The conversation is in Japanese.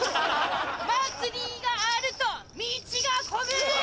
祭りがあると道が混む